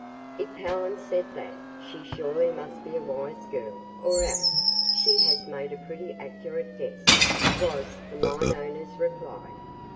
"If Helen said that, she surely must be a wise girl or else she has made a pretty accurate guess," was the mine owner's reply.